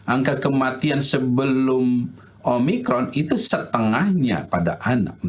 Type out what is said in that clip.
angka kematian sebelum omikron itu setengahnya pada anak